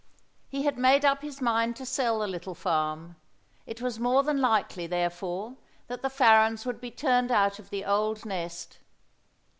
He had made up his mind to sell the little farm. It was more than likely, therefore, that the Farrens would be turned out of the old nest.